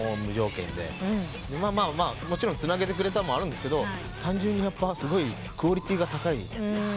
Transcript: もちろんつなげてくれたもあるんですけど単純にやっぱすごいクオリティーが高い。